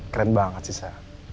keren banget sih sa